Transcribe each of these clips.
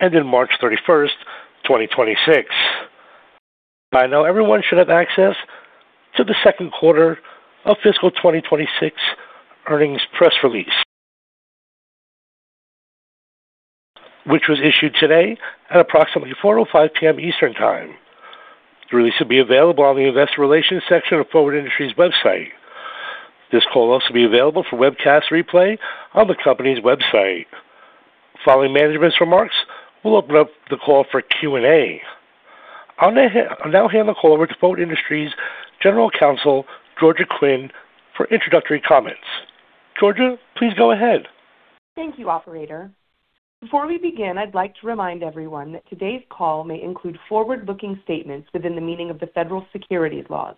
End March 31st, 2026. By now everyone should have access to the second quarter of fiscal 2026 earnings press release, which was issued today at approximately 4:05 P.M. Eastern Time. The release will be available on the investor relations section of Forward Industries website. This call will also be available for webcast replay on the company's website. Following management's remarks, we'll open up the call for Q&A. I'll now hand the call over to Forward Industries General Counsel, Georgia Quinn, for introductory comments. Georgia, please go ahead. Thank you, operator. Before we begin, I'd like to remind everyone that today's call may include forward-looking statements within the meaning of the federal securities laws.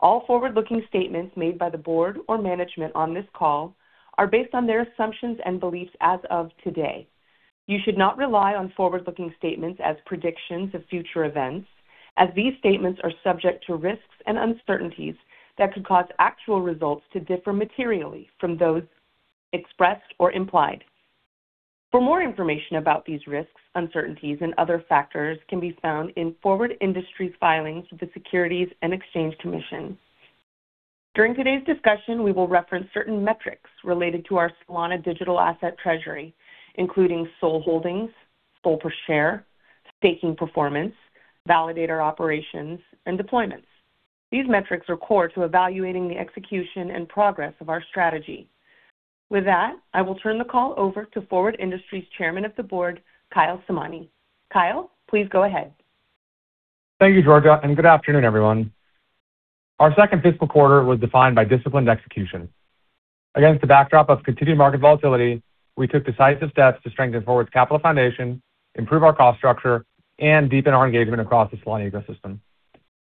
All forward-looking statements made by the board or management on this call are based on their assumptions and beliefs as of today. You should not rely on forward-looking statements as predictions of future events, as these statements are subject to risks and uncertainties that could cause actual results to differ materially from those expressed or implied. For more information about these risks, uncertainties, and other factors can be found in Forward Industries filings with the Securities and Exchange Commission. During today's discussion, we will reference certain metrics related to our Solana digital asset treasury, including SOL holdings, SOL per share, staking performance, validator operations, and deployments. These metrics are core to evaluating the execution and progress of our strategy. With that, I will turn the call over to Forward Industries Chairman of the Board, Kyle Samani. Kyle, please go ahead. Thank you, Georgia, good afternoon, everyone. Our second fiscal quarter was defined by disciplined execution. Against the backdrop of continued market volatility, we took decisive steps to strengthen Forward's capital foundation, improve our cost structure, and deepen our engagement across the Solana ecosystem.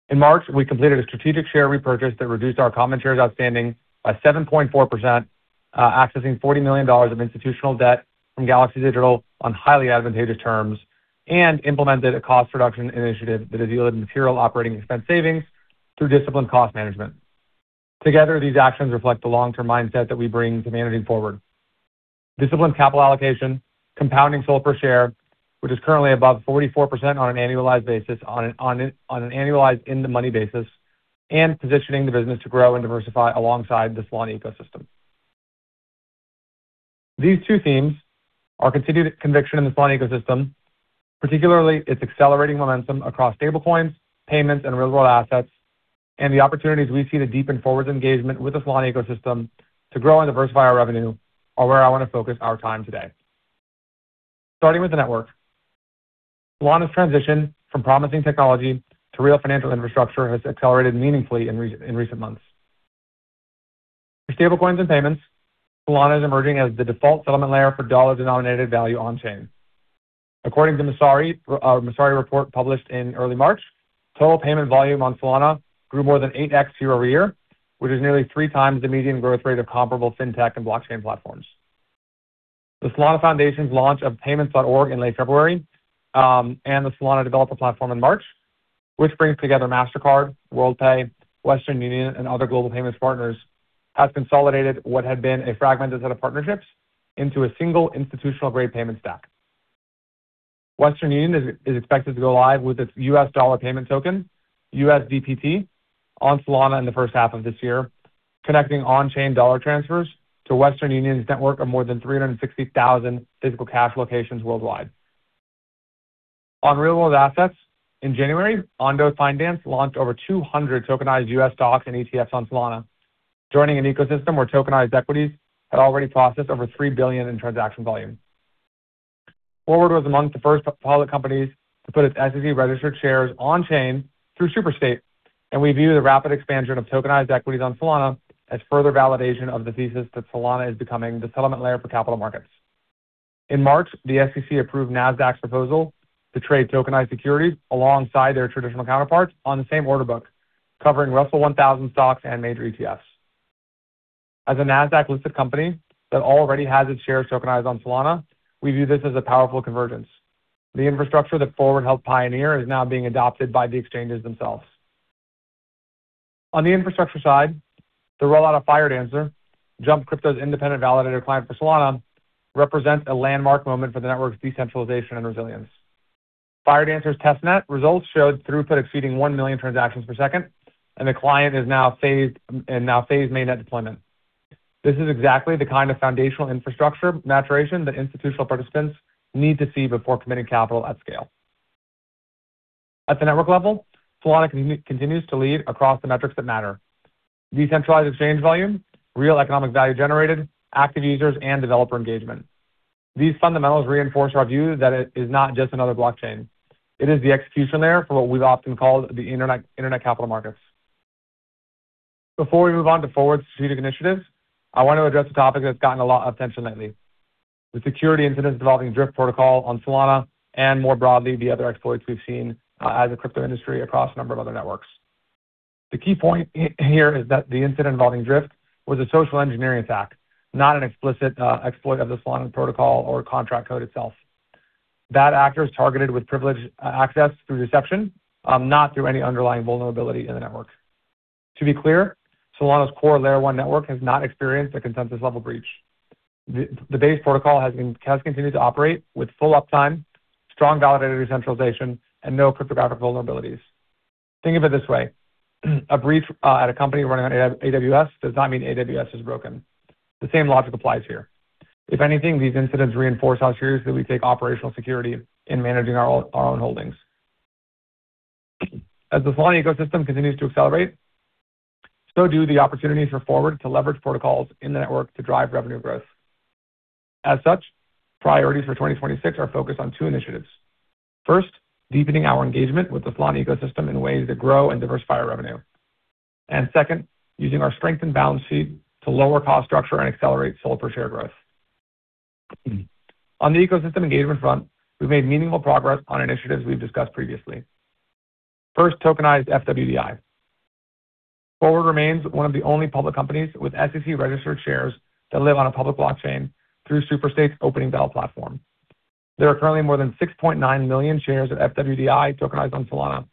In March, we completed a strategic share repurchase that reduced our common shares outstanding by 7.4%, accessing $40 million of institutional debt from Galaxy Digital on highly advantageous terms and implemented a cost reduction initiative that has yielded material operating expense savings through disciplined cost management. Together, these actions reflect the long-term mindset that we bring to managing Forward. Disciplined capital allocation, compounding SOL per share, which is currently above 44% on an annualized basis on an annualized in-the-money basis, and positioning the business to grow and diversify alongside the Solana ecosystem. These two themes are continued conviction in the Solana ecosystem, particularly its accelerating momentum across stablecoins, payments, and real-world assets, and the opportunities we see to deepen Forward's engagement with the Solana ecosystem to grow and diversify our revenue are where I want to focus our time today. Starting with the network. Solana's transition from promising technology to real financial infrastructure has accelerated meaningfully in recent months. For stablecoins and payments, Solana is emerging as the default settlement layer for dollar-denominated value on-chain. According to Messari report published in early March, total payment volume on Solana grew more than 8x year-over-year, which is nearly 3 times the median growth rate of comparable fintech and blockchain platforms. The Solana Foundation's launch of payments.org in late February, and the Solana developer platform in March, which brings together Mastercard, Worldpay, Western Union, and other global payments partners, has consolidated what had been a fragmented set of partnerships into a single institutional-grade payment stack. Western Union is expected to go live with its U.S. dollar payment token, USDPT, on Solana in the first half of this year, connecting on-chain dollar transfers to Western Union's network of more than 360,000 physical cash locations worldwide. On real-world assets, in January, Ondo Finance launched over 200 tokenized U.S. stocks and ETFs on Solana, joining an ecosystem where tokenized equities had already processed over $3 billion in transaction volume. Forward was among the first pilot companies to put its SEC-registered shares on-chain through Superstate, and we view the rapid expansion of tokenized equities on Solana as further validation of the thesis that Solana is becoming the settlement layer for capital markets. In March, the SEC approved Nasdaq's proposal to trade tokenized securities alongside their traditional counterparts on the same order book, covering Russell 1000 stocks and major ETFs. As a Nasdaq-listed company that already has its shares tokenized on Solana, we view this as a powerful convergence. The infrastructure that Forward helped pioneer is now being adopted by the exchanges themselves. On the infrastructure side, the rollout of Firedancer, Jump Crypto's independent validator client for Solana, represents a landmark moment for the network's decentralization and resilience. Firedancer's testnet results showed throughput exceeding 1 million transactions per second. The client is now phased, and now phase mainnet deployment. This is exactly the kind of foundational infrastructure maturation that institutional participants need to see before committing capital at scale. At the network level, Solana continues to lead across the metrics that matter: decentralized exchange volume, real economic value generated, active users, and developer engagement. These fundamentals reinforce our view that it is not just another blockchain. It is the execution layer for what we've often called the internet capital markets. Before we move on to Forward's strategic initiatives, I want to address a topic that's gotten a lot of attention lately: the security incident involving Drift Protocol on Solana and more broadly, the other exploits we've seen as a crypto industry across a number of other networks. The key point here is that the incident involving Drift was a social engineering attack, not an explicit exploit of the Solana protocol or contract code itself. Bad actors targeted with privileged access through deception, not through any underlying vulnerability in the network. To be clear, Solana's core layer one network has not experienced a consensus-level breach. The base protocol has continued to operate with full uptime, strong validator decentralization, and no cryptographic vulnerabilities. Think of it this way, a breach at a company running on AWS does not mean AWS is broken. The same logic applies here. If anything, these incidents reinforce how seriously we take operational security in managing our own holdings. As the Solana ecosystem continues to accelerate, so do the opportunities for Forward to leverage protocols in the network to drive revenue growth. As such, priorities for 2026 are focused on two initiatives. First, deepening our engagement with the Solana ecosystem in ways that grow and diversify revenue. Second, using our strength and balance sheet to lower cost structure and accelerate SOL per share growth. On the ecosystem engagement front, we've made meaningful progress on initiatives we've discussed previously. First, tokenized FWDI. Forward remains one of the only public companies with SEC-registered shares that live on a public blockchain through Superstate's Opening Bell platform. There are currently more than 6.9 million shares of FWDI tokenized on Solana,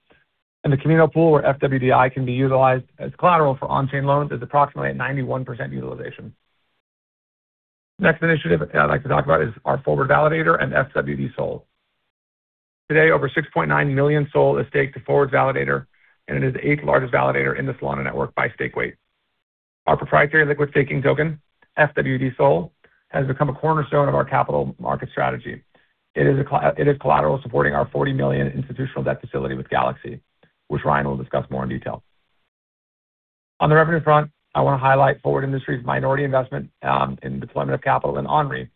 and the Kamino pool where FWDI can be utilized as collateral for on-chain loans is approximately at 91% utilization. Next initiative I'd like to talk about is our Forward Validator and fwdSOL. Today, over 6.9 million SOL is staked to Forward Industries validator, and it is the 8th-largest validator in the Solana network by stake weight. Our proprietary liquid staking token, fwdSOL, has become a cornerstone of our capital market strategy. It is collateral supporting our $40 million institutional debt facility with Galaxy Digital, which Ryan Navi will discuss more in detail. On the revenue front, I wanna highlight Forward Industries minority investment in deployment of capital in OnRe,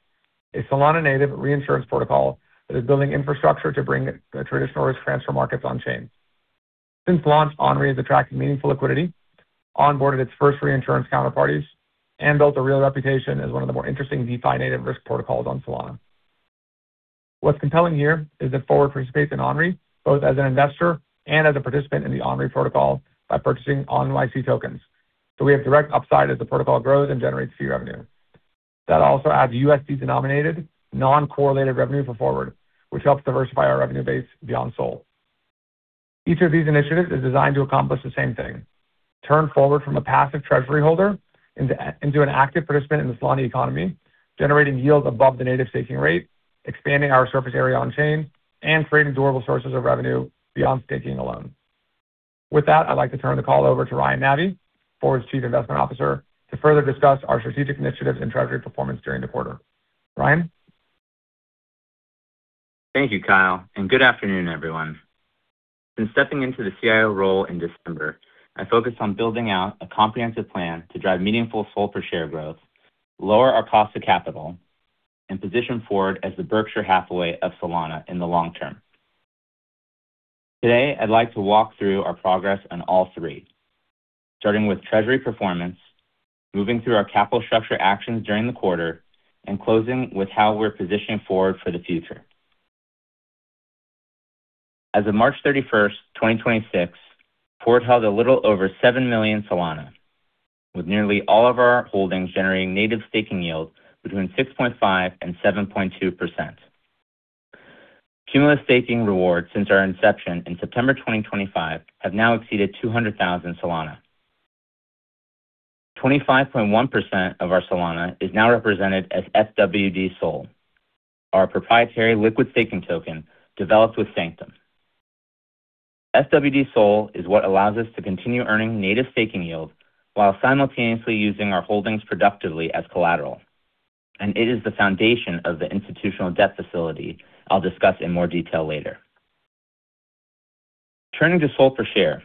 a Solana-native reinsurance protocol that is building infrastructure to bring the traditional risk transfer markets on-chain. Since launch, OnRe has attracted meaningful liquidity, onboarded its first reinsurance counterparties, and built a real reputation as one of the more interesting DeFi-native risk protocols on Solana. What's compelling here is that Forward participates in OnRe both as an investor and as a participant in the OnRe protocol by purchasing ONyc tokens. We have direct upside as the protocol grows and generates fee revenue. That also adds USD-denominated, non-correlated revenue for Forward, which helps diversify our revenue base beyond SOL. Each of these initiatives is designed to accomplish the same thing, turn Forward from a passive treasury holder into an active participant in the Solana economy, generating yield above the native staking rate, expanding our surface area on-chain, and creating durable sources of revenue beyond staking alone. With that, I'd like to turn the call over to Ryan Navi, Forward's Chief Investment Officer, to further discuss our strategic initiatives and treasury performance during the quarter. Ryan? Thank you, Kyle, and good afternoon, everyone. Since stepping into the CIO role in December, I focused on building out a comprehensive plan to drive meaningful SOL per share growth, lower our cost of capital, and position Forward as the Berkshire Hathaway of Solana in the long term. Today, I'd like to walk through our progress on all three, starting with treasury performance, moving through our capital structure actions during the quarter, and closing with how we're positioning Forward for the future. As of March 31st, 2026, Forward held a little over 7 million Solana, with nearly all of our holdings generating native staking yields between 6.5% and 7.2%. Cumulative staking rewards since our inception in September 2025 have now exceeded 200,000 Solana. 25.1% of our Solana is now represented as fwdSOL, our proprietary liquid staking token developed with Sanctum. fwdSOL is what allows us to continue earning native staking yield while simultaneously using our holdings productively as collateral, and it is the foundation of the institutional debt facility I'll discuss in more detail later. Turning to SOL per share,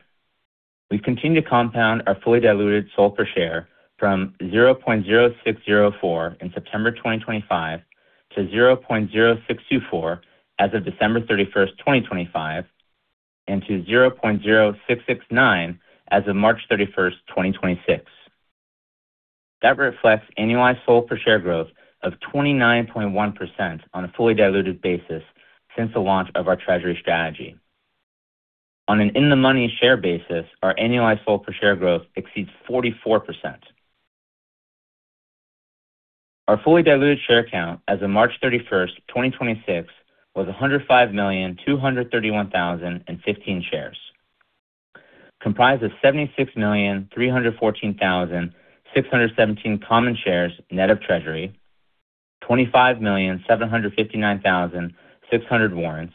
we've continued to compound our fully diluted SOL per share from 0.0604 in September 2025 to 0.0624 as of December 31st, 2025, and to 0.0669 as of March 31st, 2026. That reflects annualized SOL per share growth of 29.1% on a fully diluted basis since the launch of our treasury strategy. On an in the money share basis, our annualized SOL per share growth exceeds 44%. Our fully diluted share count as of March 31, 2026, was 105,231,015 shares, comprised of 76,314,617 common shares net of treasury, 25,759,600 warrants,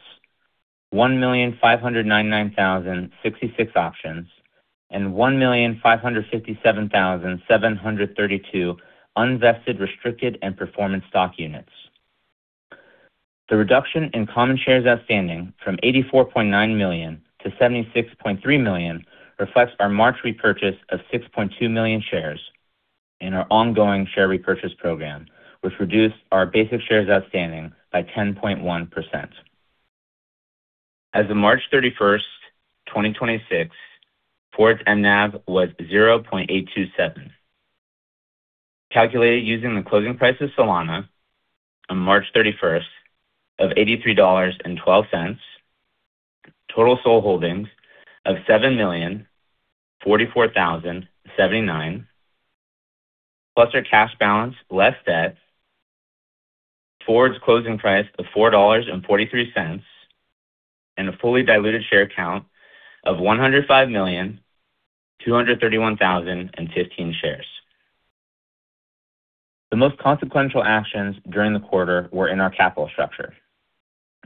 1,599,066 options, and 1,557,732 unvested, restricted, and performance stock units. The reduction in common shares outstanding from 84.9 million-76.3 million reflects our March repurchase of 6.2 million shares in our ongoing share repurchase program, which reduced our basic shares outstanding by 10.1%. As of March 31, 2026, Forward's NAV was $0.827. Calculated using the closing price of Solana on March 31st of $83.12, total SOL holdings of 7,044,079, plus our cash balance less debt Forward's closing price of $4.43, and a fully diluted share count of 105,231,015 shares. The most consequential actions during the quarter were in our capital structure.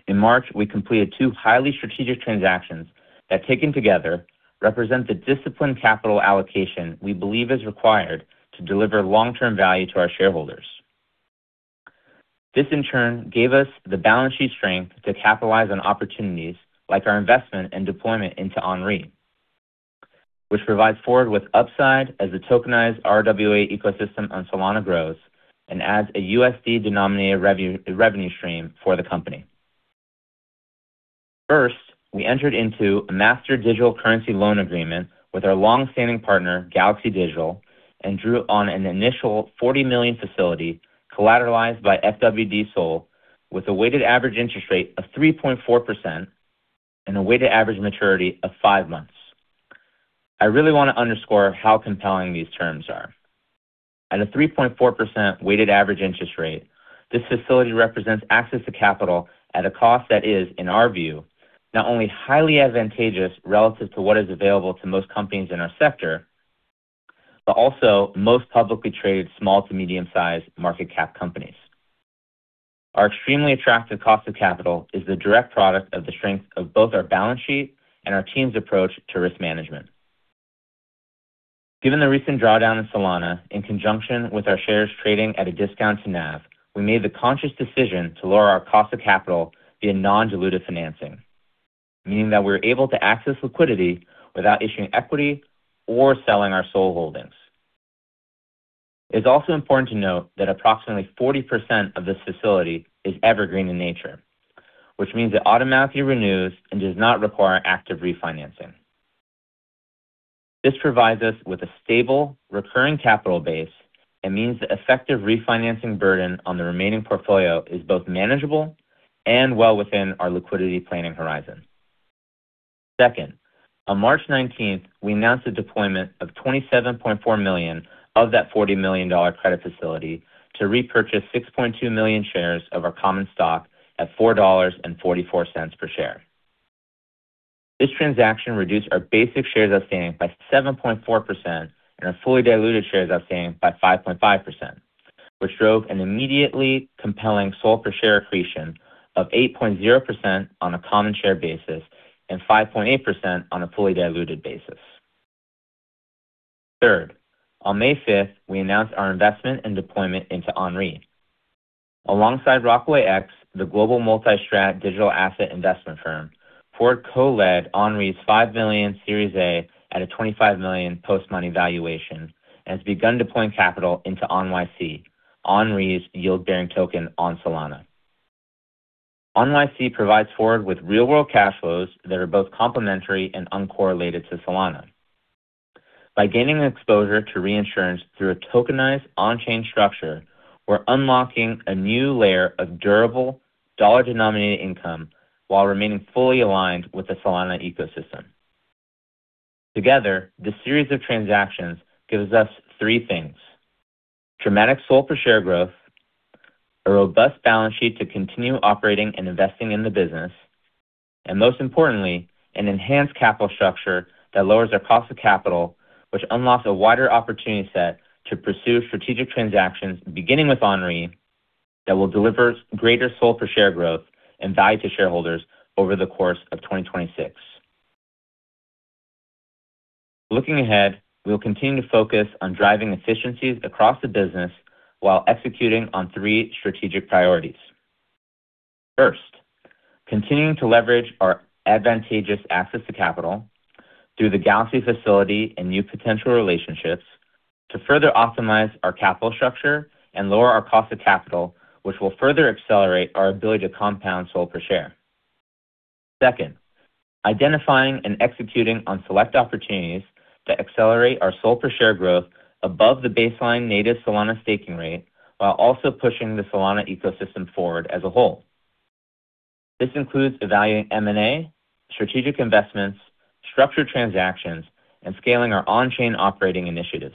In March, we completed two highly strategic transactions that, taken together, represent the disciplined capital allocation we believe is required to deliver long-term value to our shareholders. This, in turn, gave us the balance sheet strength to capitalize on opportunities like our investment and deployment into OnRe, which provides Forward with upside as the tokenized RWA ecosystem on Solana grows and adds a USD-denominated revenue stream for the company. First, we entered into a master digital currency loan agreement with our long-standing partner, Galaxy Digital, and drew on an initial $40 million facility collateralized by fwdSOL with a weighted average interest rate of 3.4% and a weighted average maturity of five months. I really wanna underscore how compelling these terms are. At a 3.4% weighted average interest rate, this facility represents access to capital at a cost that is, in our view, not only highly advantageous relative to what is available to most companies in our sector, but also most publicly traded small to medium-sized market cap companies. Our extremely attractive cost of capital is the direct product of the strength of both our balance sheet and our team's approach to risk management. Given the recent drawdown in Solana, in conjunction with our shares trading at a discount to NAV, we made the conscious decision to lower our cost of capital via non-dilutive financing, meaning that we're able to access liquidity without issuing equity or selling our SOL holdings. It's also important to note that approximately 40% of this facility is evergreen in nature, which means it automatically renews and does not require active refinancing. This provides us with a stable, recurring capital base and means the effective refinancing burden on the remaining portfolio is both manageable and well within our liquidity planning horizon. Second, on March 19th, we announced a deployment of $27.4 million of that $40 million credit facility to repurchase 6.2 million shares of our common stock at $4.44 per share. This transaction reduced our basic shares outstanding by 7.4% and our fully diluted shares outstanding by 5.5%, which drove an immediately compelling SOL per share accretion of 8.0% on a common share basis and 5.8% on a fully diluted basis. Third, on May 5th, we announced our investment and deployment into OnRe. Alongside RockawayX, the global multi-strat digital asset investment firm, Forward co-led OnRe's $5 million Series A at a $25 million post-money valuation and has begun deploying capital into ONyc, OnRe's yield-bearing token on Solana. ONyc provides Forward with real-world cash flows that are both complementary and uncorrelated to Solana. By gaining exposure to reinsurance through a tokenized on-chain structure, we're unlocking a new layer of durable dollar-denominated income while remaining fully aligned with the Solana ecosystem. Together, this series of transactions gives us three things: dramatic SOL per share growth, a robust balance sheet to continue operating and investing in the business, and most importantly, an enhanced capital structure that lowers our cost of capital, which unlocks a wider opportunity set to pursue strategic transactions, beginning with OnRe, that will deliver greater SOL per share growth and value to shareholders over the course of 2026. Looking ahead, we will continue to focus on driving efficiencies across the business while executing on three strategic priorities. First, continuing to leverage our advantageous access to capital through the Galaxy facility and new potential relationships to further optimize our capital structure and lower our cost of capital, which will further accelerate our ability to compound SOL per share. Second, identifying and executing on select opportunities that accelerate our SOL per share growth above the baseline native Solana staking rate, while also pushing the Solana ecosystem forward as a whole. This includes evaluating M&A, strategic investments, structured transactions, and scaling our on-chain operating initiatives.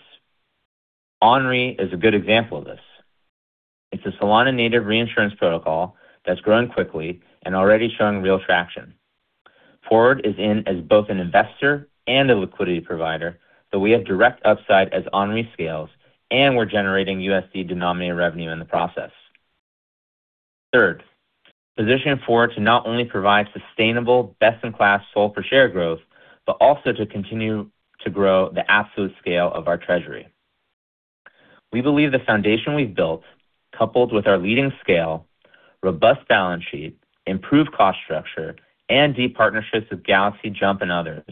OnRe is a good example of this. It's a Solana-native reinsurance protocol that's growing quickly and already showing real traction. Forward is in as both an investor and a liquidity provider, we have direct upside as OnRe scales, and we're generating USD-denominated revenue in the process. Third, positioning Forward to not only provide sustainable best-in-class SOL per share growth, but also to continue to grow the absolute scale of our treasury. We believe the foundation we've built, coupled with our leading scale, robust balance sheet, improved cost structure, and deep partnerships with Galaxy, Jump, and others,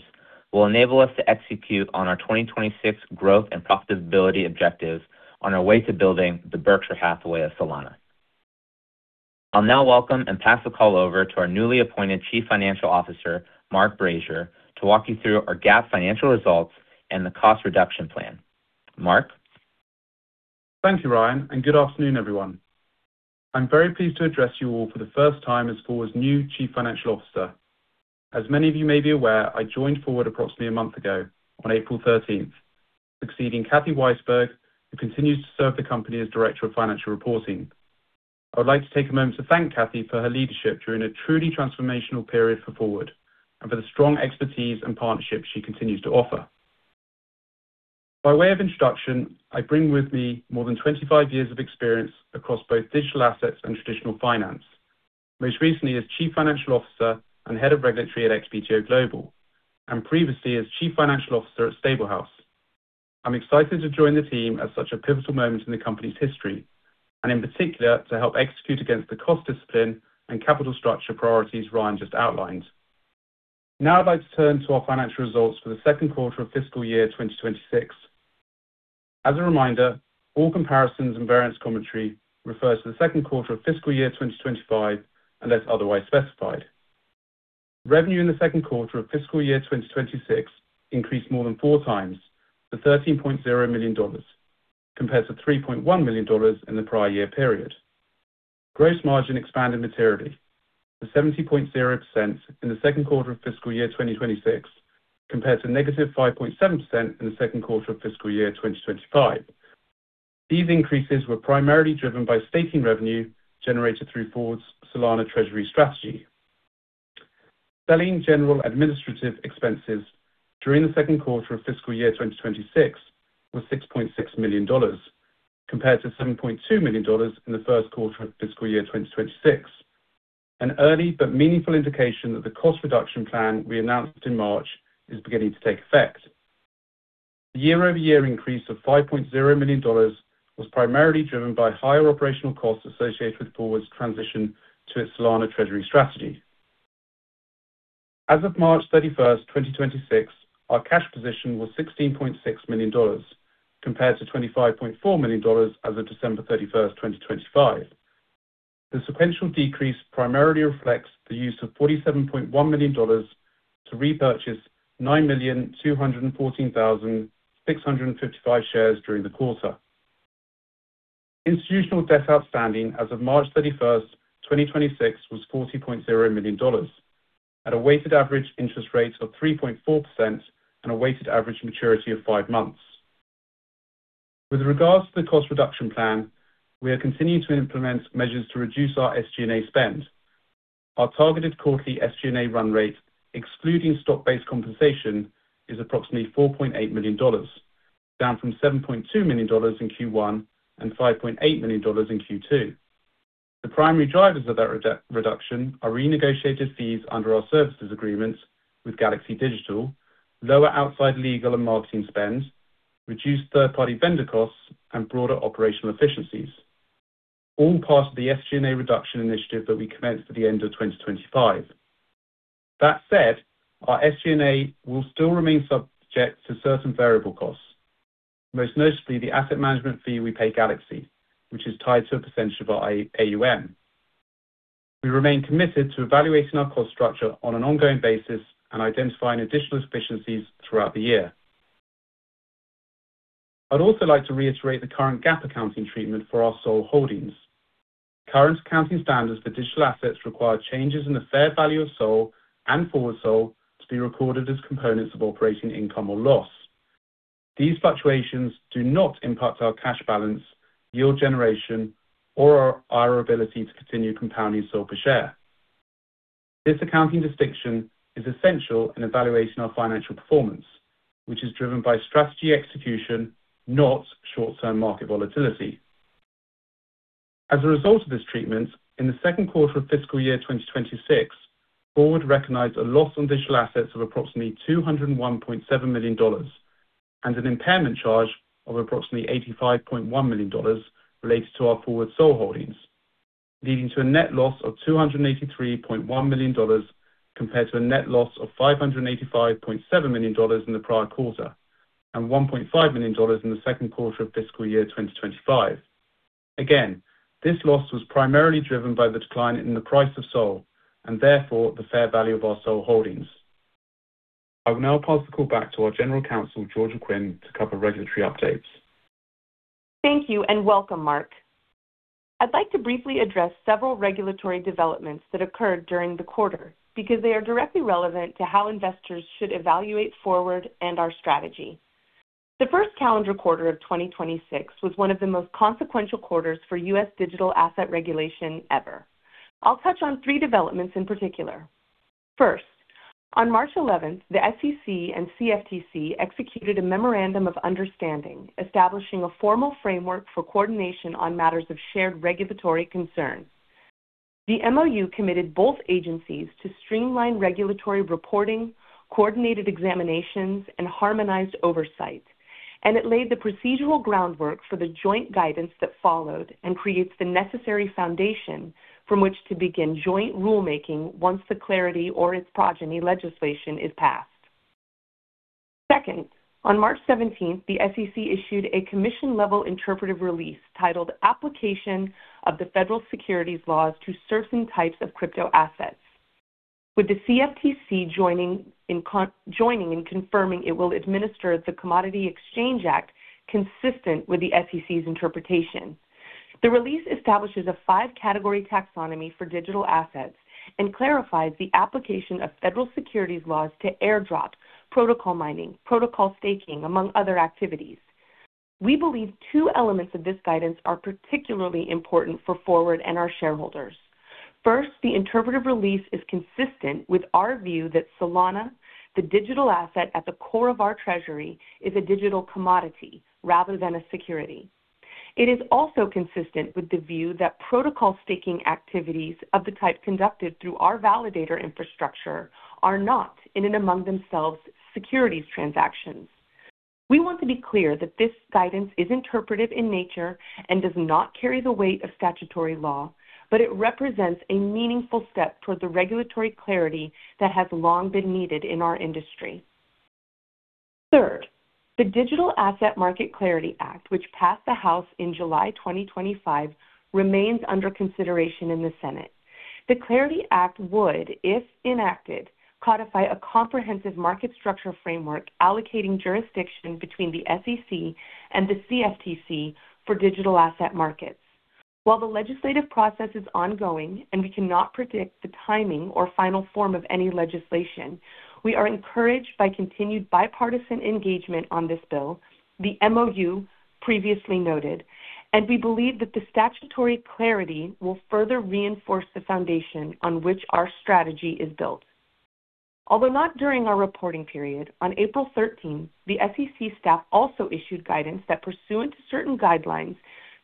will enable us to execute on our 2026 growth and profitability objectives on our way to building the Berkshire Hathaway of Solana. I'll now welcome and pass the call over to our newly appointed Chief Financial Officer, Mark Brazier, to walk you through our GAAP financial results and the cost reduction plan. Mark? Thank you, Ryan, and good afternoon, everyone. I'm very pleased to address you all for the first time as Forward's new Chief Financial Officer. As many of you may be aware, I joined Forward approximately a month ago on April 13th, succeeding Kathy Weisberg, who continues to serve the company as Director of Financial Reporting. I would like to take a moment to thank Kathy for her leadership during a truly transformational period for Forward, and for the strong expertise and partnership she continues to offer. By way of introduction, I bring with me more than 25 years of experience across both digital assets and traditional finance. Most recently as Chief Financial Officer and Head of Regulatory at XBTO Global, and previously as Chief Financial Officer at Stablehouse. I'm excited to join the team at such a pivotal moment in the company's history, and in particular to help execute against the cost discipline and capital structure priorities Ryan just outlined. I'd like to turn to our financial results for the second quarter of fiscal year 2026. As a reminder, all comparisons and variance commentary refers to the second quarter of fiscal year 2025, unless otherwise specified. Revenue in the second quarter of fiscal year 2026 increased more than 4x to $13.0 million, compared to $3.1 million in the prior year period. Gross margin expanded materially to 70.0% in the second quarter of fiscal year 2026, compared to -5.7% in the second quarter of fiscal year 2025. These increases were primarily driven by staking revenue generated through Forward's Solana treasury strategy. Selling general administrative expenses during the second quarter of fiscal year 2026 was $6.6 million, compared to $7.2 million in the first quarter of fiscal year 2026. An early but meaningful indication that the cost reduction plan we announced in March is beginning to take effect. Year-over-year increase of $5.0 million was primarily driven by higher operational costs associated with Forward's transition to its Solana treasury strategy. As of March 31st, 2026, our cash position was $16.6 million, compared to $25.4 million as of December 31st, 2025. The sequential decrease primarily reflects the use of $47.1 million to repurchase 9,214,655 shares during the quarter. Institutional debt outstanding as of March 31st, 2026 was $40.0 million at a weighted average interest rate of 3.4% and a weighted average maturity of five months. With regards to the cost reduction plan, we are continuing to implement measures to reduce our SG&A spend. Our targeted quarterly SG&A run rate, excluding stock-based compensation, is approximately $4.8 million, down from $7.2 million in Q1 and $5.8 million in Q2. The primary drivers of that reduction are renegotiated fees under our services agreements with Galaxy Digital, lower outside legal and marketing spend, reduced third-party vendor costs, and broader operational efficiencies, all part of the SG&A reduction initiative that we commenced at the end of 2025. That said, our SG&A will still remain subject to certain variable costs, most notably the asset management fee we pay Galaxy, which is tied to a percentage of our AUM. We remain committed to evaluating our cost structure on an ongoing basis and identifying additional efficiencies throughout the year. I'd also like to reiterate the current GAAP accounting treatment for our SOL holdings. Current accounting standards for digital assets require changes in the fair value of SOL and fwdSOL to be recorded as components of operating income or loss. These fluctuations do not impact our cash balance, yield generation, or our ability to continue compounding SOL per share. This accounting distinction is essential in evaluating our financial performance, which is driven by strategy execution, not short-term market volatility. As a result of this treatment, in the second quarter of fiscal year 2026, Forward recognized a loss on digital assets of approximately $201.7 million and an impairment charge of approximately $85.1 million related to our Forward SOL holdings, leading to a net loss of $283.1 million, compared to a net loss of $585.7 million in the prior quarter and $1.5 million in the second quarter of fiscal year 2025. Again, this loss was primarily driven by the decline in the price of SOL and therefore the fair value of our SOL holdings. I will now pass the call back to our General Counsel, Georgia Quinn, to cover regulatory updates. Thank you, and welcome, Mark. I'd like to briefly address several regulatory developments that occurred during the quarter because they are directly relevant to how investors should evaluate Forward and our strategy. The first calendar quarter of 2026 was one of the most consequential quarters for U.S. digital asset regulation ever. I'll touch on three developments in particular. First, on March 11, the SEC and CFTC executed a memorandum of understanding, establishing a formal framework for coordination on matters of shared regulatory concern. The MOU committed both agencies to streamline regulatory reporting, coordinated examinations, and harmonized oversight. It laid the procedural groundwork for the joint guidance that followed and creates the necessary foundation from which to begin joint rulemaking once the Clarity Act or its progeny legislation is passed. Second, on March 17th, the SEC issued a commission-level interpretive release titled Application of the federal securities laws to Certain types of crypto assets. With the CFTC joining and confirming it will administer the Commodity Exchange Act consistent with the SEC's interpretation. The release establishes a five-category taxonomy for digital assets and clarifies the application of federal securities laws to airdrop, protocol mining, protocol staking, among other activities. We believe two elements of this guidance are particularly important for Forward and our shareholders. First, the interpretive release is consistent with our view that Solana, the digital asset at the core of our treasury, is a digital commodity rather than a security. It is also consistent with the view that protocol staking activities of the type conducted through our validator infrastructure are not, in and among themselves, securities transactions. We want to be clear that this guidance is interpretive in nature and does not carry the weight of statutory law, but it represents a meaningful step toward the regulatory clarity that has long been needed in our industry. Third, the Digital Asset Market Clarity Act, which passed the House in July 2025, remains under consideration in the Senate. The Clarity Act would, if enacted, codify a comprehensive market structure framework allocating jurisdiction between the SEC and the CFTC for digital asset markets. While the legislative process is ongoing and we cannot predict the timing or final form of any legislation, we are encouraged by continued bipartisan engagement on this bill, the MOU previously noted, and we believe that the statutory clarity will further reinforce the foundation on which our strategy is built. Although not during our reporting period, on April 13th, the SEC staff also issued guidance that pursuant to certain guidelines,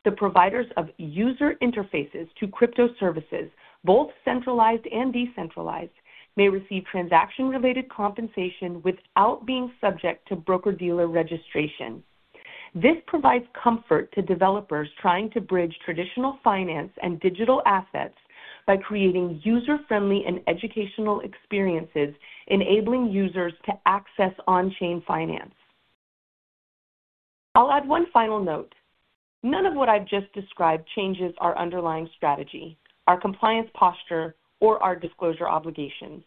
the providers of user interfaces to crypto services, both centralized and decentralized, may receive transaction-related compensation without being subject to broker-dealer registration. This provides comfort to developers trying to bridge traditional finance and digital assets by creating user-friendly and educational experiences enabling users to access on-chain finance. I'll add one final note. None of what I've just described changes our underlying strategy, our compliance posture, or our disclosure obligations.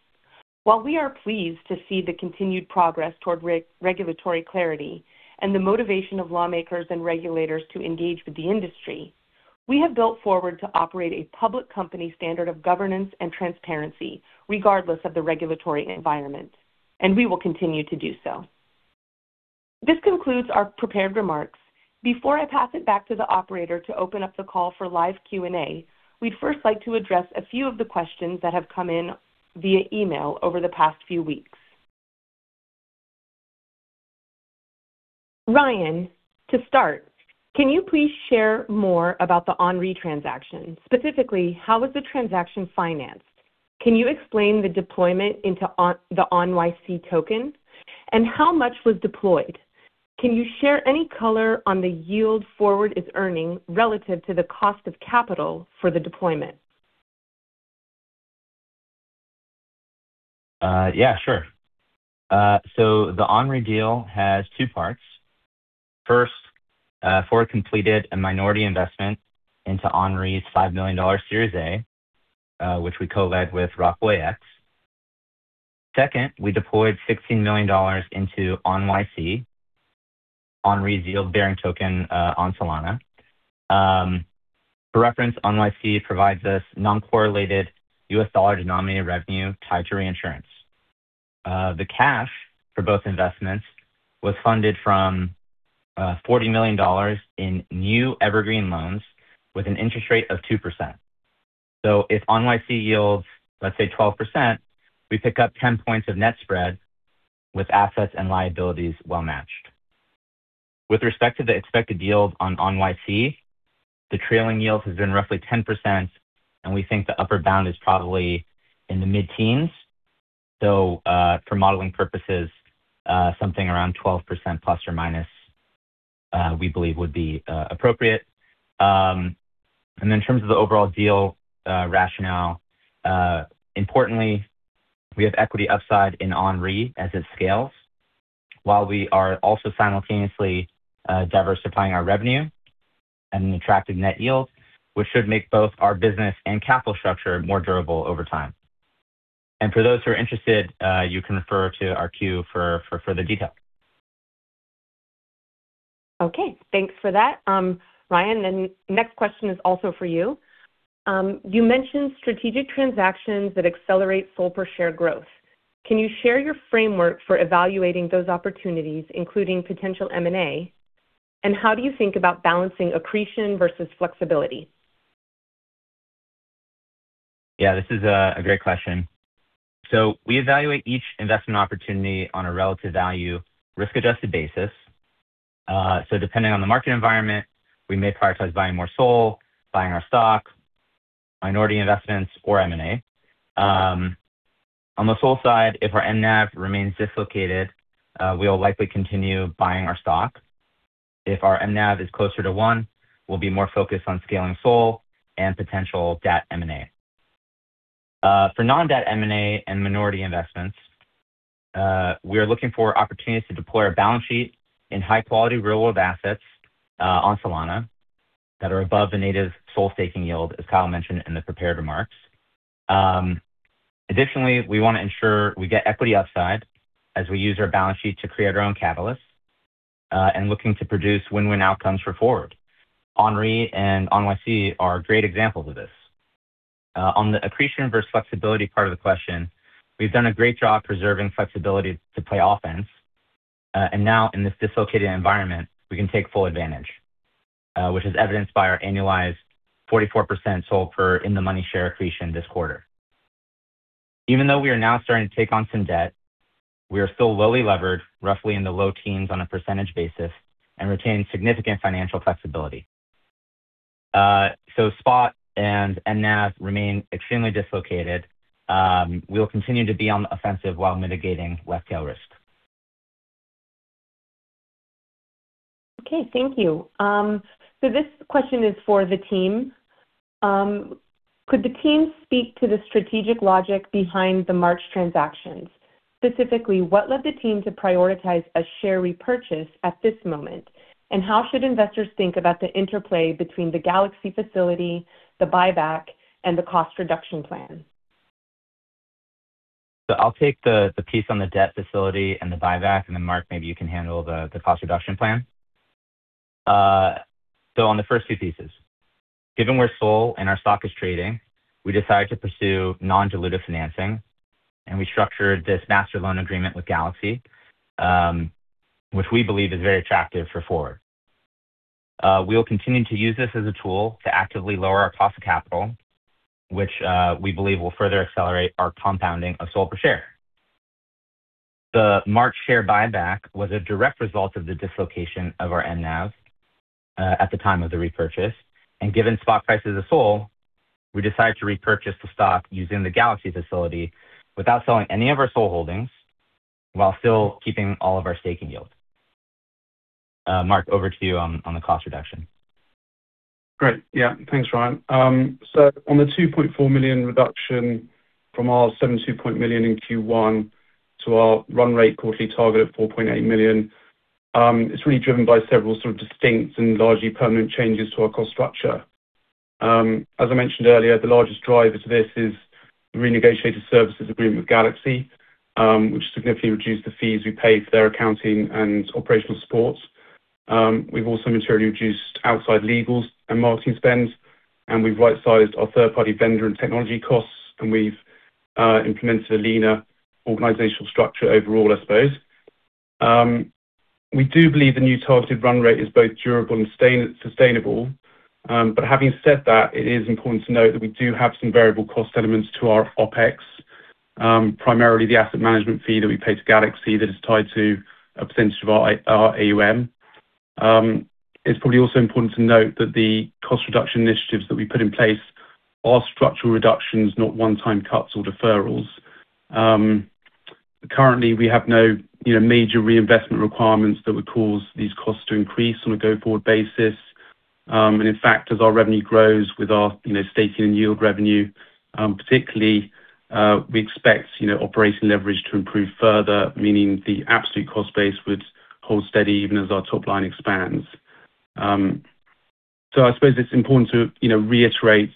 While we are pleased to see the continued progress toward regulatory clarity and the motivation of lawmakers and regulators to engage with the industry, we have built Forward to operate a public company standard of governance and transparency regardless of the regulatory environment, and we will continue to do so. This concludes our prepared remarks. Before I pass it back to the operator to open up the call for live Q&A, we'd first like to address a few of the questions that have come in via email over the past few weeks. Ryan, to start, can you please share more about the OnRe transaction? Specifically, how was the transaction financed? Can you explain the deployment into the ONyc token, and how much was deployed? Can you share any color on the yield Forward is earning relative to the cost of capital for the deployment? Yeah, sure. The OnRe deal has two parts. First, Forward completed a minority investment into OnRe's $5 million Series A, which we co-led with RockawayX. Second, we deployed $16 million into OnRe's yield-bearing token, on Solana. For reference, OnRe provides us non-correlated U.S. dollar-denominated revenue tied to reinsurance. The cash for both investments was funded from $40 million in new evergreen loans with an interest rate of 2%. If OnRe yields, let's say, 12%, we pick up 10 points of net spread with assets and liabilities well-matched. With respect to the expected yield on OnRe, the trailing yield has been roughly 10%, and we think the upper bound is probably in the mid-teens. For modeling purposes, something around 12% ±, we believe would be appropriate. In terms of the overall deal rationale, importantly, we have equity upside in OnRe as it scales, while we are also simultaneously diversifying our revenue and an attractive net yield, which should make both our business and capital structure more durable over time. For those who are interested, you can refer to our Q4 for further detail. Okay. Thanks for that, Ryan. Next question is also for you. You mentioned strategic transactions that accelerate SOL per share growth. Can you share your framework for evaluating those opportunities, including potential M&A? How do you think about balancing accretion versus flexibility? Yeah, this is a great question. We evaluate each investment opportunity on a relative value risk-adjusted basis. Depending on the market environment, we may prioritize buying more SOL, buying our stock, minority investments, or M&A. On the SOL side, if our NAV remains dislocated, we will likely continue buying our stock. If our NAV is closer to one, we'll be more focused on scaling SOL and potential debt M&A. For non-debt M&A and minority investments, we are looking for opportunities to deploy our balance sheet in high-quality real-world assets on Solana that are above the native SOL staking yield, as Kyle mentioned in the prepared remarks. Additionally, we wanna ensure we get equity upside as we use our balance sheet to create our own catalyst, and looking to produce win-win outcomes for Forward. OnRe and ONyc are great examples of this. On the accretion versus flexibility part of the question, we've done a great job preserving flexibility to play offense. And now in this dislocated environment, we can take full advantage, which is evidenced by our annualized 44% SOL for in the money share accretion this quarter. Even though we are now starting to take on some debt, we are still lowly levered, roughly in the low teens on a percentage basis and retain significant financial flexibility. Spot and mNAV remain extremely dislocated. We will continue to be on the offensive while mitigating left tail risk. Okay. Thank you. This question is for the team. Could the team speak to the strategic logic behind the March transactions? Specifically, what led the team to prioritize a share repurchase at this moment, and how should investors think about the interplay between the Galaxy facility, the buyback, and the cost reduction plan? I'll take the piece on the debt facility and the buyback, and then Mark, maybe you can handle the cost reduction plan. On the first two pieces, given we're SOL and our stock is trading, we decided to pursue non-dilutive financing, and we structured this master loan agreement with Galaxy, which we believe is very attractive for Forward. We'll continue to use this as a tool to actively lower our cost of capital, which we believe will further accelerate our compounding of SOL per share. The March share buyback was a direct result of the dislocation of our mNAV at the time of the repurchase. Given spot prices of SOL, we decided to repurchase the stock using the Galaxy facility without selling any of our SOL holdings while still keeping all of our staking yields. Mark, over to you on the cost reduction. Great. Yeah. Thanks, Ryan. On the $2.4 million reduction from our $72 million in Q1 to our run rate quarterly target of $4.8 million, it's really driven by several sort of distinct and largely permanent changes to our cost structure. As I mentioned earlier, the largest driver to this is the renegotiated services agreement with Galaxy Digital, which significantly reduced the fees we pay for their accounting and operational supports. We've also materially reduced outside legals and marketing spends, we've right-sized our third-party vendor and technology costs, and we've implemented a leaner organizational structure overall, I suppose. We do believe the new targeted run rate is both durable and sustainable. Having said that, it is important to note that we do have some variable cost elements to our OpEx, primarily the asset management fee that we pay to Galaxy that is tied to a percentage of our AUM. It's probably also important to note that the cost reduction initiatives that we put in place are structural reductions, not one-time cuts or deferrals. Currently, we have no, you know, major reinvestment requirements that would cause these costs to increase on a go-forward basis. In fact, as our revenue grows with our, you know, staking and yield revenue, particularly, we expect, you know, operating leverage to improve further, meaning the absolute cost base would hold steady even as our top line expands. I suppose it's important to, you know, reiterate,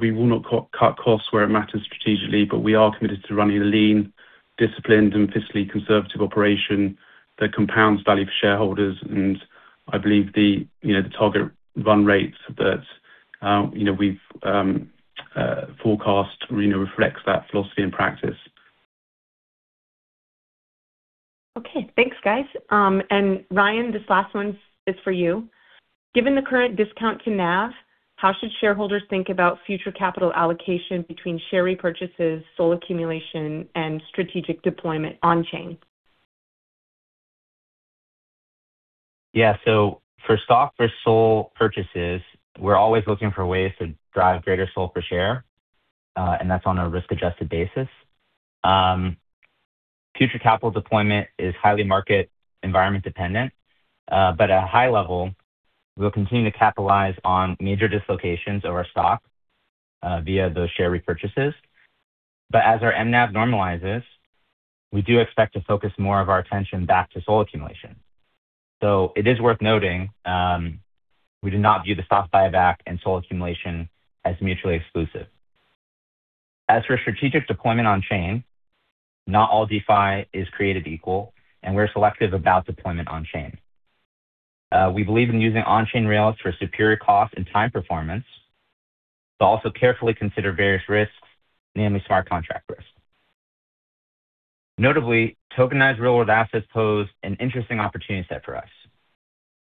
we will not cut costs where it matters strategically, but we are committed to running a lean, disciplined and fiscally conservative operation that compounds value for shareholders. I believe the, you know, the target run rates that, you know, we've forecast, you know, reflects that philosophy and practice. Okay. Thanks, guys. Ryan, this last one is for you. Given the current discount to NAV, how should shareholders think about future capital allocation between share repurchases, SOL accumulation, and strategic deployment on chain? For stock, for SOL purchases, we're always looking for ways to drive greater SOL per share, and that's on a risk-adjusted basis. Future capital deployment is highly market environment dependent, but at a high level, we'll continue to capitalize on major dislocations of our stock via those share repurchases. As our mNAV normalizes, we do expect to focus more of our attention back to SOL accumulation. It is worth noting, we do not view the stock buyback and SOL accumulation as mutually exclusive. As for strategic deployment on chain, not all DeFi is created equal, and we're selective about deployment on chain. We believe in using on-chain rails for superior cost and time performance, but also carefully consider various risks, namely smart contract risk. Notably, tokenized real-world assets pose an interesting opportunity set for us.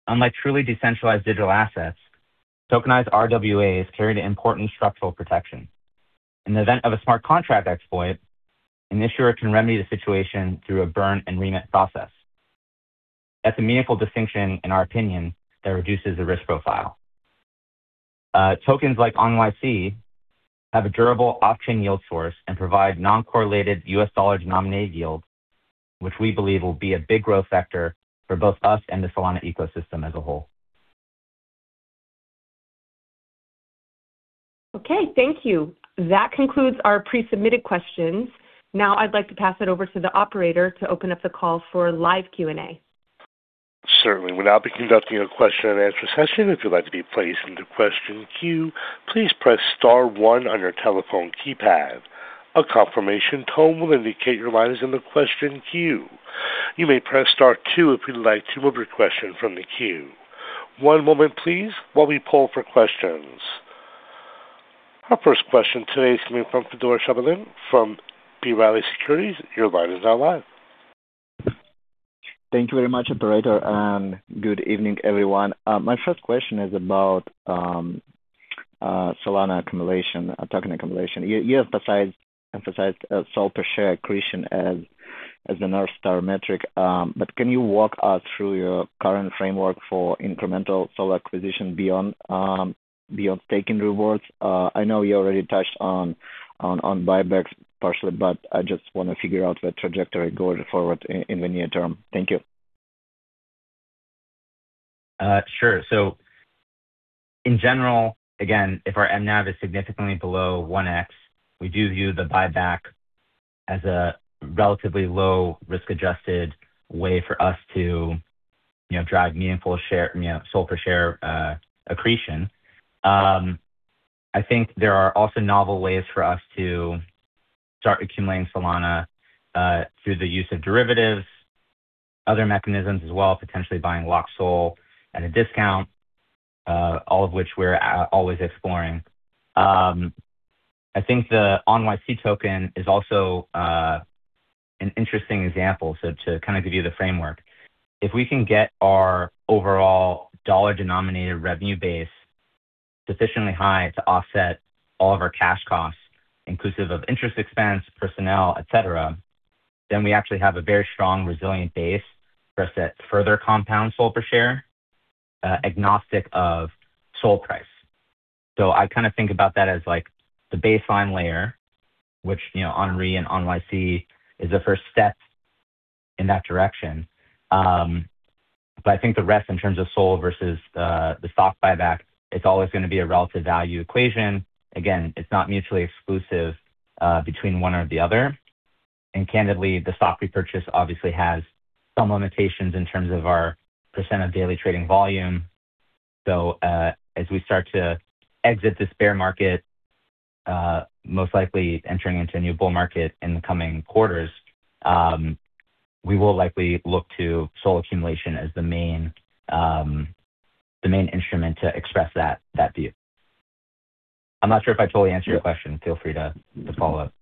Unlike truly decentralized digital assets, tokenized RWAs carry the important structural protection. In the event of a smart contract exploit, an issuer can remedy the situation through a burn and remit process. That's a meaningful distinction, in our opinion, that reduces the risk profile. Tokens like ONyc have a durable off-chain yield source and provide non-correlated U.S. dollar-denominated yield, which we believe will be a big growth factor for both us and the Solana ecosystem as a whole. Okay. Thank you. That concludes our pre-submitted questions. Now I'd like to pass it over to the operator to open up the call for live Q&A. Certainly. We'll now be conducting a question and answer session. If you'd like to be placed into question queue, please press star one on your telephone keypad. A confirmation tone will indicate your line is in the question queue. You may press star two if you'd like to remove your question from the queue. One moment please while we poll for questions. Our first question today is coming from Fedor Shabalin from B. Riley Securities. Your line is now live. Thank you very much, operator. Good evening, everyone. My first question is about Solana accumulation, token accumulation. You have emphasized SOL per share accretion as the North Star metric. Can you walk us through your current framework for incremental SOL acquisition beyond staking rewards? I know you already touched on buybacks partially. I just wanna figure out the trajectory going forward in the near term. Thank you. Sure. In general, again, if our mNAV is significantly below 1x, we do view the buyback as a relatively low risk-adjusted way for us to, you know, drive meaningful share, you know, SOL per share accretion. I think there are also novel ways for us to start accumulating Solana through the use of derivatives, other mechanisms as well, potentially buying locked SOL at a discount, all of which we're always exploring. I think the ONyc token is also an interesting example. To kinda give you the framework, if we can get our overall dollar-denominated revenue base sufficiently high to offset all of our cash costs, inclusive of interest expense, personnel, et cetera, then we actually have a very strong, resilient base for us to further compound SOL per share agnostic of SOL price. I kinda think about that as, like, the baseline layer, which, you know, OnRe and ONyc is the first step in that direction. I think the rest in terms of SOL versus the stock buyback, it's always gonna be a relative value equation. Again, it's not mutually exclusive between one or the other. Candidly, the stock repurchase obviously has some limitations in terms of our percent of daily trading volume. As we start to exit this bear market, most likely entering into a new bull market in the coming quarters, we will likely look to SOL accumulation as the main, the main instrument to express that view. I'm not sure if I totally answered your question. Feel free to follow up.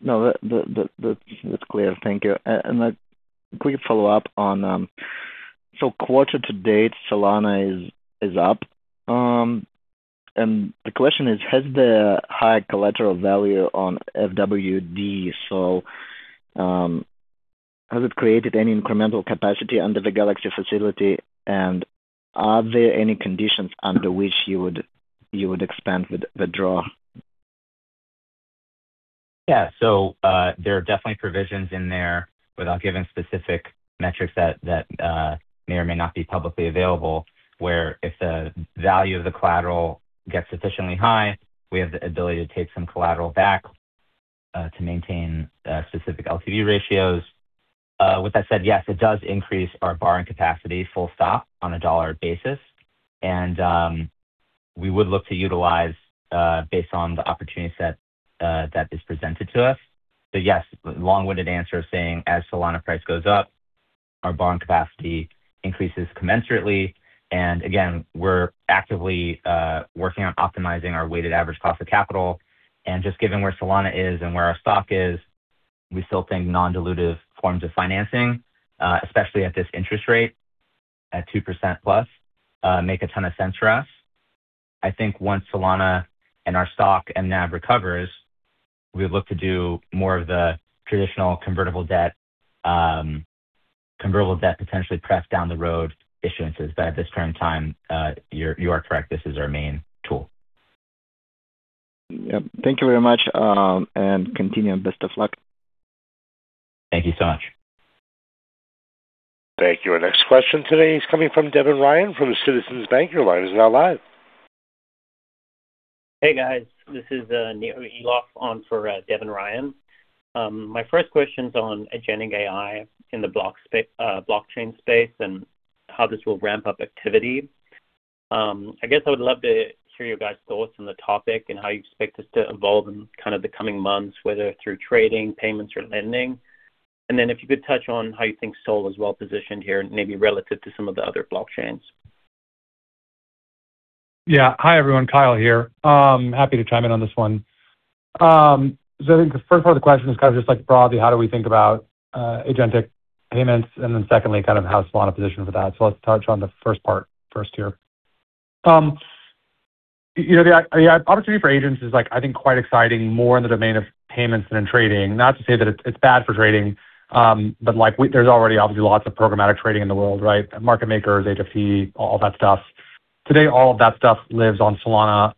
No, that's clear. Thank you. A quick follow-up on, quarter-to-date, Solana is up. The question is, has the high collateral value on fwdSOL, created any incremental capacity under the Galaxy facility? Are there any conditions under which you would expand the draw? Yeah. There are definitely provisions in there without giving specific metrics that may or may not be publicly available, where if the value of the collateral gets sufficiently high, we have the ability to take some collateral back to maintain specific LTV ratios. With that said, yes, it does increase our borrowing capacity full stop on a dollar basis. We would look to utilize based on the opportunity set that is presented to us. Yes, long-winded answer is saying as Solana price goes up, our borrowing capacity increases commensurately. Again, we're actively working on optimizing our weighted average cost of capital. Just given where Solana is and where our stock is, we still think non-dilutive forms of financing, especially at this interest rate at 2%+, make a ton of sense for us. Once Solana and our stock and NAV recovers, we look to do more of the traditional convertible debt potentially [press] down the road issuances. At this current time, you are correct, this is our main tool. Yep. Thank you very much, and continue. Best of luck. Thank you so much. Thank you. Our next question today is coming from Devin Ryan from Citizens Bank. Your line is now live. Hey, guys. This is Neo Eloff on for Devin Ryan. My first question's on agentic AI in the blockchain space and how this will ramp up activity. I guess I would love to hear your guys' thoughts on the topic and how you expect this to evolve in kind of the coming months, whether through trading, payments or lending. If you could touch on how you think SOL is well-positioned here, maybe relative to some of the other blockchains. Yeah. Hi, everyone. Kyle here. Happy to chime in on this one. I think the first part of the question is kind of just like broadly how do we think about agentic payments, and then secondly, kind of how Solana positioned for that. Let's touch on the first part first here. you know, the opportunity for agents is, like, I think, quite exciting, more in the domain of payments than in trading. Not to say that it's bad for trading, but, like, there's already obviously lots of programmatic trading in the world, right? Market makers, HFT, all that stuff. Today, all of that stuff lives on Solana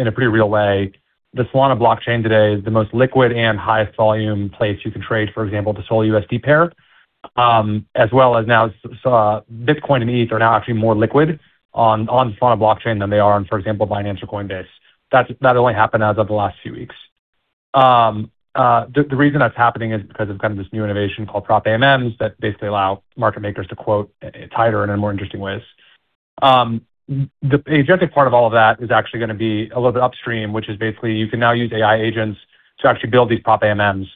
in a pretty real way. The Solana blockchain today is the most liquid and highest volume place you can trade, for example, the SOL USD pair, as well as now Bitcoin and ETH are now actually more liquid on Solana blockchain than they are on, for example, Binance or Coinbase. That only happened as of the last few weeks. The reason that's happening is because of kind of this new innovation called Prop AMM that basically allow market makers to quote tighter and in more interesting ways. The agentic part of all of that is actually gonna be a little bit upstream, which is basically you can now use AI agents to actually build these Prop AMMs.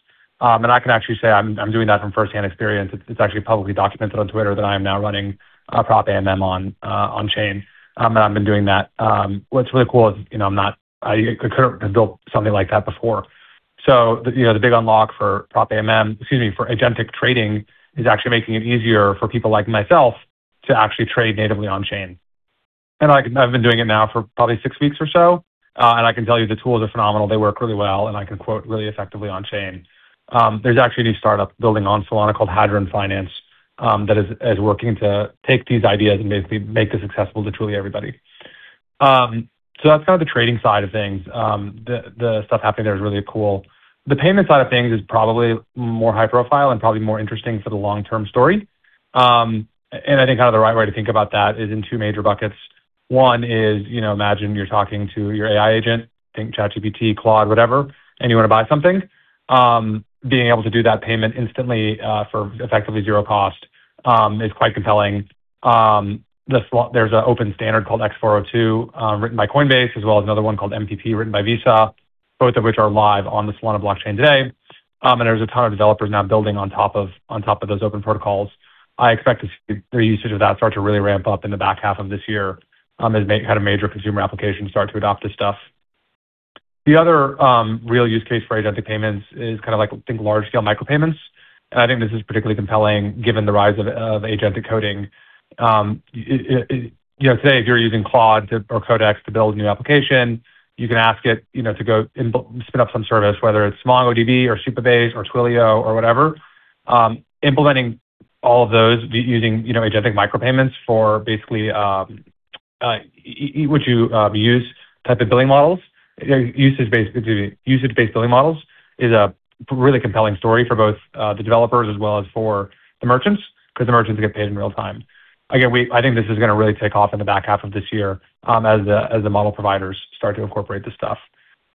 I can actually say I'm doing that from firsthand experience. It's, it's actually publicly documented on Twitter that I am now running a Prop AMM on on-chain, and I've been doing that. What's really cool is, you know, I couldn't have built something like that before. You know, the big unlock for Prop AMM, excuse me, for agentic trading is actually making it easier for people like myself to actually trade natively on-chain. I've been doing it now for probably six weeks or so, and I can tell you the tools are phenomenal. They work really well, and I can quote really effectively on-chain. There's actually a new startup building on Solana called Hadron by Tether that is working to take these ideas and basically make this accessible to truly everybody. That's kind of the trading side of things. The stuff happening there is really cool. The payment side of things is probably more high profile and probably more interesting for the long-term story. I think kind of the right way to think about that is in two major buckets. One is, you know, imagine you're talking to your AI agent, think ChatGPT, Claude, whatever, and you wanna buy something. Being able to do that payment instantly, for effectively 0 cost, is quite compelling. There's an open standard called x402, written by Coinbase, as well as another one called MPP written by Visa, both of which are live on the Solana blockchain today. There's a ton of developers now building on top of those open protocols. I expect to see their usage of that start to really ramp up in the back half of this year, as kind of major consumer applications start to adopt this stuff. The other real use case for agentic payments is kind of like, think large scale micropayments, and I think this is particularly compelling given the rise of agentic coding. You know, say if you're using Claude or Codex to build a new application, you can ask it, you know, to go and build, spin up some service, whether it's MongoDB or Supabase or Twilio or whatever. Implementing all of those using, you know, agentic micropayments for basically use type of billing models, usage-based billing models is a really compelling story for both the developers as well as for the merchants 'cause the merchants get paid in real time. Again, I think this is gonna really take off in the back half of this year as the model providers start to incorporate this stuff.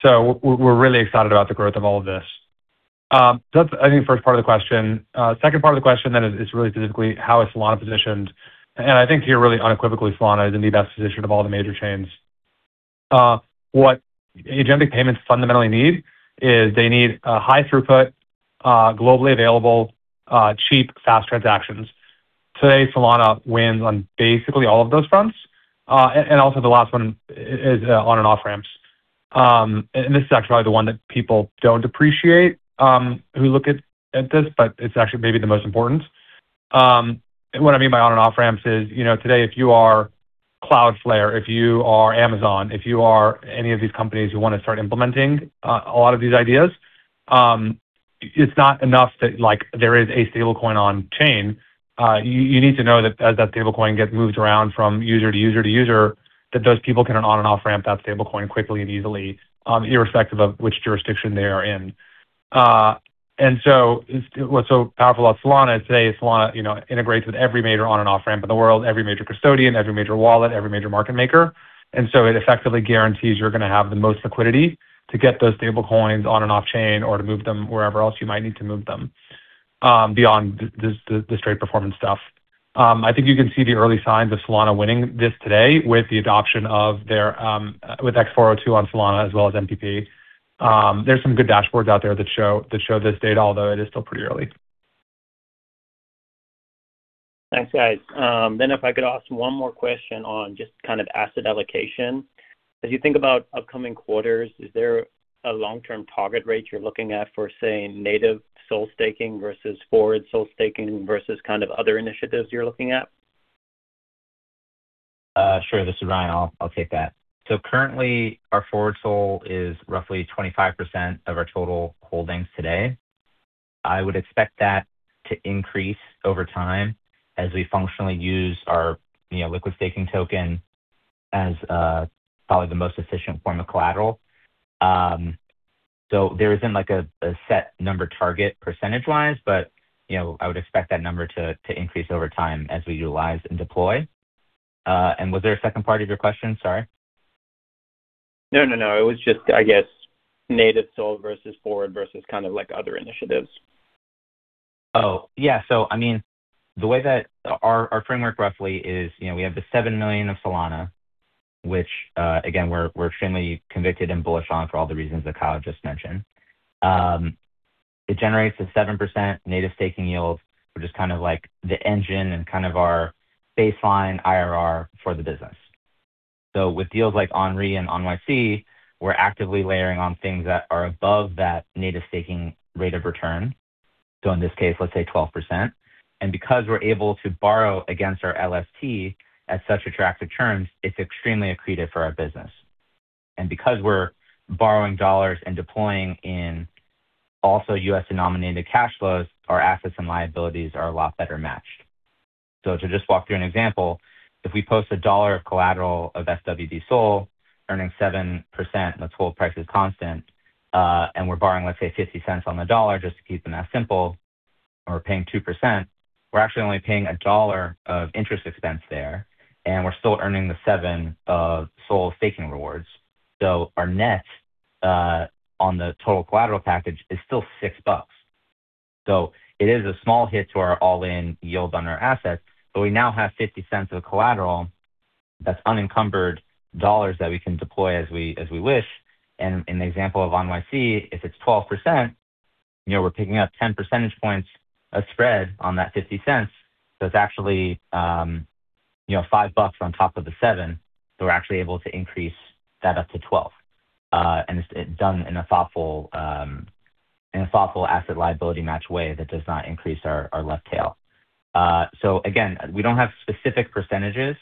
We're really excited about the growth of all of this. That's I think first part of the question. Second part of the question then is really specifically how is Solana positioned? I think here really unequivocally Solana is in the best position of all the major chains. What agentic payments fundamentally need is they need a high throughput, globally available, cheap, fast transactions. Today, Solana wins on basically all of those fronts. Also the last one is on and off-ramps. This is actually probably the one that people don't appreciate, who look at this, but it's actually maybe the most important. What I mean by on and off-ramps is, you know, today, if you are Cloudflare, if you are Amazon, if you are any of these companies who wanna start implementing a lot of these ideas, it's not enough that, like, there is a stablecoin on-chain. You need to know that as that stablecoin gets moved around from user to user to user, that those people can on and off-ramp that stablecoin quickly and easily, irrespective of which jurisdiction they are in. What's so powerful about Solana is today Solana, you know, integrates with every major on and off-ramp in the world, every major custodian, every major wallet, every major market maker. It effectively guarantees you're gonna have the most liquidity to get those stablecoins on and off-chain or to move them wherever else you might need to move them beyond the, the straight performance stuff. I think you can see the early signs of Solana winning this today with the adoption of their with x402 on Solana as well as MPP. There's some good dashboards out there that show this data, although it is still pretty early. Thanks, guys. If I could ask one more question on just kind of asset allocation. As you think about upcoming quarters, is there a long-term target rate you're looking at for, say, native SOL staking versus Forward SOL staking versus kind of other initiatives you're looking at? Sure. This is Ryan. I'll take that. Currently, our fwdSOL is roughly 25% of our total holdings today. I would expect that to increase over time as we functionally use our, you know, liquid staking token as probably the most efficient form of collateral. There isn't, like, a set number target percentage-wise, but, you know, I would expect that number to increase over time as we utilize and deploy. And was there a second part of your question? Sorry. No, no. It was just, I guess, native SOL versus Forward versus kind of like other initiatives. Oh, yeah. I mean, the way that our framework roughly is, you know, we have the 7 million of Solana, which, again, we're extremely convicted and bullish on for all the reasons that Kyle just mentioned. It generates a 7% native staking yield, which is kind of like the engine and kind of our baseline IRR for the business. With deals like OnRe and ONyc, we're actively layering on things that are above that native staking rate of return. In this case, let's say 12%. Because we're able to borrow against our LST at such attractive terms, it's extremely accretive for our business. Because we're borrowing dollars and deploying in also U.S.-denominated cash flows, our assets and liabilities are a lot better matched. To just walk through an example, if we post $1 of collateral of fwdSOL earning 7%, and its whole price is constant, and we're borrowing, let's say, $0.50 on the dollar just to keep the math simple. Paying 2%, we're actually only paying $1 of interest expense there, and we're still earning the 7 of SOL staking rewards. Our net on the total collateral package is still $6. It is a small hit to our all-in yield on our assets, but we now have $0.50 of collateral that's unencumbered dollars that we can deploy as we wish. In the example of ONyc, if it's 12%, you know, we're picking up 10% points of spread on that $0.50. It's actually, you know, $5 on top of the seven. We're actually able to increase that up to 12, and it's done in a thoughtful, in a thoughtful asset liability match way that does not increase our left tail. Again, we don't have specific percentages,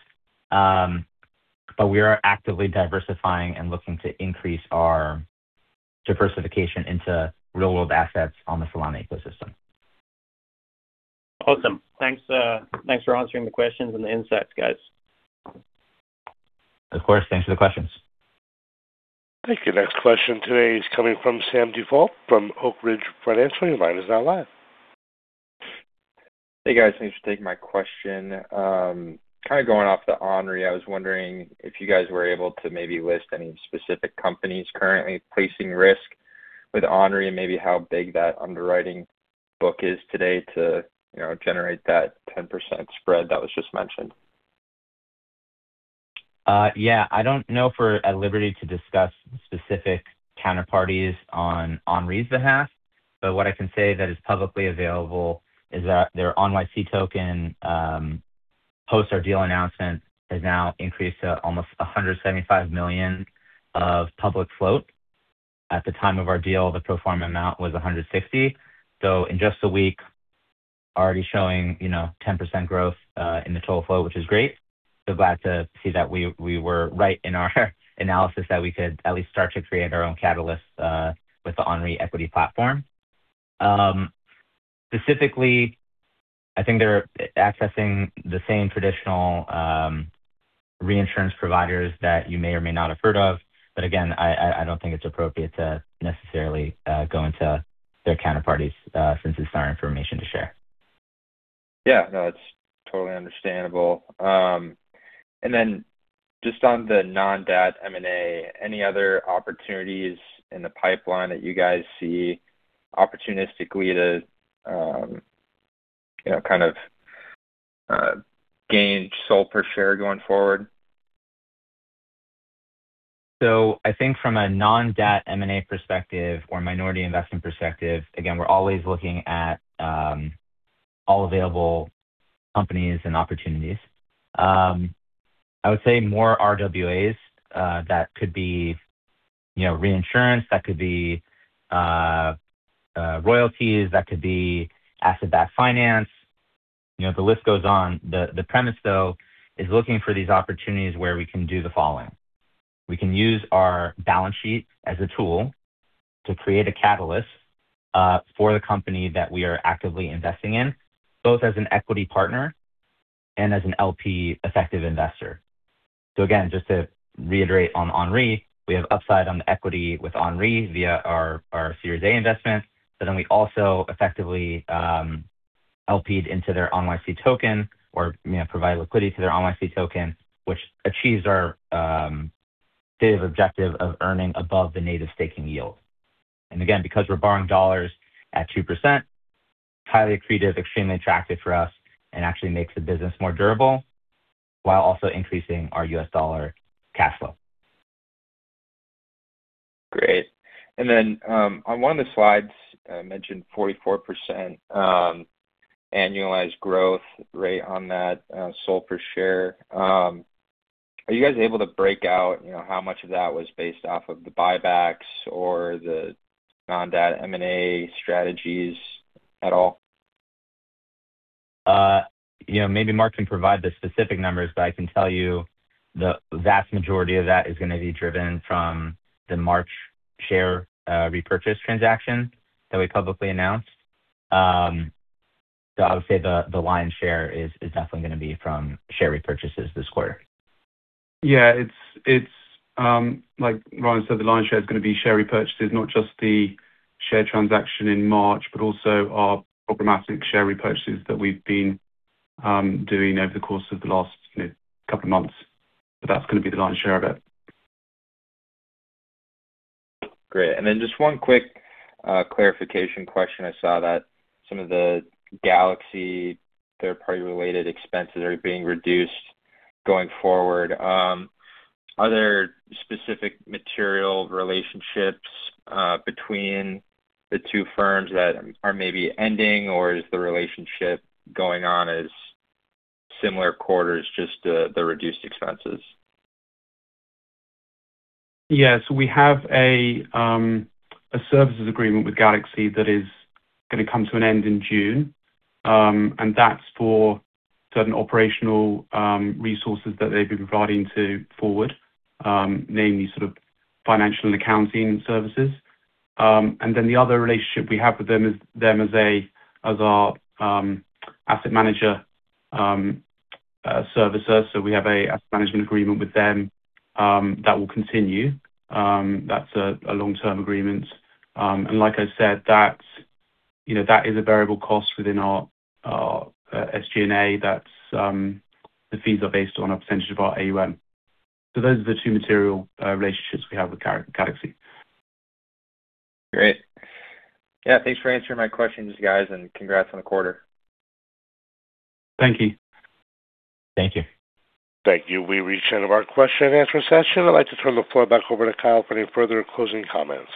but we are actively diversifying and looking to increase our diversification into Real-World Assets on the Solana ecosystem. Awesome. Thanks, thanks for answering the questions and the insights, guys. Of course. Thanks for the questions. Thank you. Next question today is coming from Sam Dufault from Oak Ridge Financial. Your line is now live. Hey, guys. Thanks for taking my question. Kind of going off the OnRe, I was wondering if you guys were able to maybe list any specific companies currently placing risk with OnRe and maybe how big that underwriting book is today to, you know, generate that 10% spread that was just mentioned. Yeah, I don't know if we're at liberty to discuss specific counterparties on OnRe's behalf, but what I can say that is publicly available is that their ONyc token, post our deal announcement, has now increased to almost $175 million of public float. At the time of our deal, the pro forma amount was $160 million. In just a week, already showing, you know, 10% growth in the total flow, which is great. Glad to see that we were right in our analysis that we could at least start to create our own catalysts with the OnRe equity platform. Specifically, I think they're accessing the same traditional reinsurance providers that you may or may not have heard of. Again, I don't think it's appropriate to necessarily go into their counterparties, since it's not our information to share. Yeah, no, it's totally understandable. Just on the non-debt M&A, any other opportunities in the pipeline that you guys see opportunistically to, you know, kind of, gain SOL per share going forward? I think from a non-debt M&A perspective or minority investment perspective, again, we're always looking at all available companies and opportunities. I would say more RWAs, that could be, you know, reinsurance, that could be royalties, that could be asset-backed finance. You know, the list goes on. The premise, though, is looking for these opportunities where we can do the following. We can use our balance sheet as a tool to create a catalyst for the company that we are actively investing in, both as an equity partner and as an LP effective investor. Again, just to reiterate on OnRe, we have upside on the equity with OnRe via our Series A investment. We also effectively LP into their ONyc token or, you know, provide liquidity to their ONyc token, which achieves our stated objective of earning above the native staking yield. Again, because we're borrowing $ at 2%, highly accretive, extremely attractive for us and actually makes the business more durable while also increasing our U.S. dollar cash flow. Great. Then, on one of the slides, mentioned 44% annualized growth rate on that SOL per share. Are you guys able to break out, you know, how much of that was based off of the buybacks or the non-debt M&A strategies at all? You know, maybe Mark can provide the specific numbers, but I can tell you the vast majority of that is gonna be driven from the March share repurchase transaction that we publicly announced. I would say the lion's share is definitely gonna be from share repurchases this quarter. Yeah. It's, like Ryan said, the lion's share is gonna be share repurchases, not just the share transaction in March, but also our programmatic share repurchases that we've been doing over the course of the last, you know, couple of months. That's gonna be the lion's share of it. Great. Just one quick clarification question? I saw that some of the Galaxy third-party related expenses are being reduced going forward. Are there specific material relationships between the two firms that are maybe ending, or is the relationship going on as similar quarters, just the reduced expenses? Yeah. We have a services agreement with Galaxy that is gonna come to an end in June, and that's for certain operational resources that they've been providing to Forward, namely sort of financial and accounting services. The other relationship we have with them is them as a, as our asset manager, servicer. We have a asset management agreement with them that will continue. That's a long-term agreement. And like I said, that, you know, that is a variable cost within our SG&A. That's the fees are based on a percentage of our AUM. Those are the two material relationships we have with Galaxy. Great. Yeah, thanks for answering my questions, guys, and congrats on the quarter. Thank you. Thank you. Thank you. We've reached the end of our question and answer session. I'd like to turn the floor back over to Kyle for any further closing comments.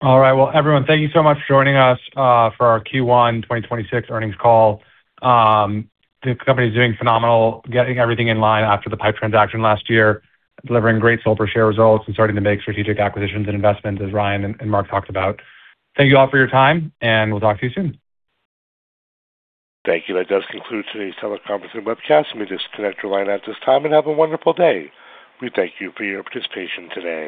All right. Well, everyone, thank you so much for joining us for our Q1 2026 earnings call. The company is doing phenomenal, getting everything in line after the PIPE transaction last year, delivering great SOL per share results, and starting to make strategic acquisitions and investments, as Ryan and Mark talked about. Thank you all for your time, and we'll talk to you soon. Thank you. That does conclude today's teleconference and webcast. You may disconnect your line at this time and have a wonderful day. We thank you for your participation today.